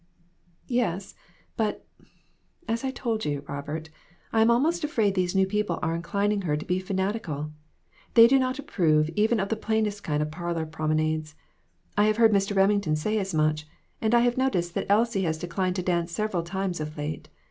"Yes; but as I told you, Robert, I am almost afraid these new people are inclining her to be fanatical. They do not approve even of the plainest kind of parlor promenades. I have heard Mr. Remington say as much ; and I have noticed that Elsie has declined to dance several times of late.